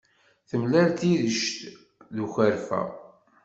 Temlal tirect d ukerfa.